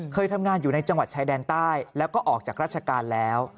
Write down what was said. เคยทำงานอยู่ในจังหวัดชายแดนใต้แล้วก็ออกจากราชการแล้ว